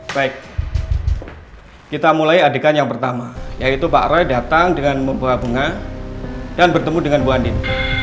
baik kita mulai adegan yang pertama yaitu pak roy datang dengan membawa bunga dan bertemu dengan bu andin